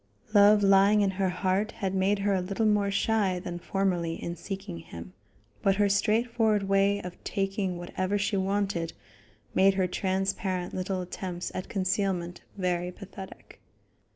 Love lying in her heart had made her a little more shy than formerly in seeking him, but her straightforward way of taking whatever she wanted made her transparent little attempts at concealment very pathetic.